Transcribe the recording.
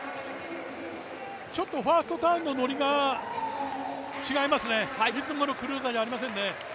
ちょっとファーストターンの乗りが違いますね、いつものクルーザーじゃありませんね。